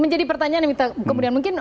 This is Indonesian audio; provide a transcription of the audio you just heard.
menjadi pertanyaan yang kemudian mungkin